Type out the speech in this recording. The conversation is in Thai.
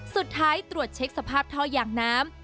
สุดท้ายตรวจเช็กสภาพท่อยางน้ำ